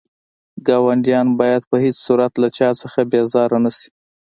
ګاونډيان بايد په هيڅ صورت له چا څخه بيزاره نه شئ.